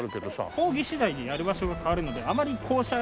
講義次第でやる場所が変わるのであまり校舎。